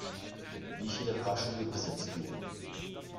Wie viele Paar Schuhe besitzt du?